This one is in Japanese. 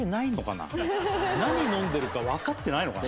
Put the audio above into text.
「何飲んでるかわかってないのかな？」